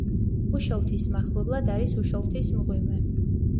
უშოლთის მახლობლად არის უშოლთის მღვიმე.